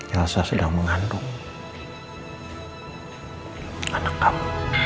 rasa sedang mengandung anak kamu